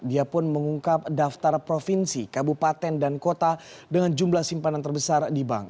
dia pun mengungkap daftar provinsi kabupaten dan kota dengan jumlah simpanan terbesar di bank